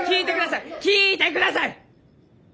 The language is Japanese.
聞いてください！